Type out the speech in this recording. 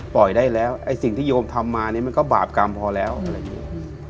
ปล่อยได้แล้วไอ้สิ่งที่โยมทำมาเนี่ยมันก็บาปกรรมพอแล้วอะไรอย่างนี้